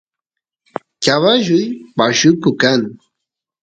caballuy pashuku kan